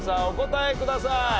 お答えください。